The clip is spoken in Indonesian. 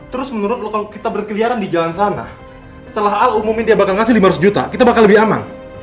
terus menurut lo kalau kita berkeliaran di jalan sana setelah al umumnya dia bakal ngasih lima ratus juta kita bakal lebih aman